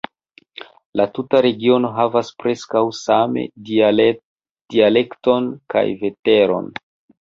La tuta regiono havas preskaŭ same dialekton kaj veteron.